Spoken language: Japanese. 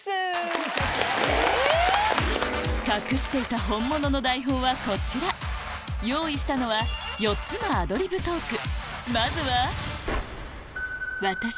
隠していた本物の台本はこちら用意したのは４つのアドリブトーク